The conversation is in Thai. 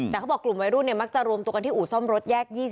แต่เขาบอกกลุ่มวัยรุ่นมักจะรวมตัวกันที่อู่ซ่อมรถแยก๒๐